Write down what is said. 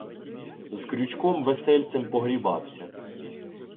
З крючком весельцем погрібався.